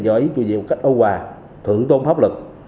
việc giải quyết một cách âu quả thượng tôn pháp luật